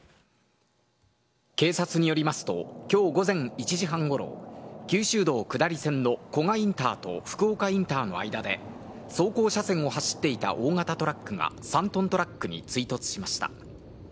警察によりますと、きょう午前１時半ごろ、九州道下り線の古賀インターと福岡インターの間で、走行車線を走っていた大型トラックが３トントラックに追突しました。